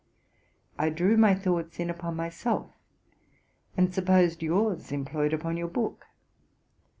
I drew my thoughts in upon myself, and supposed yours employed upon your book.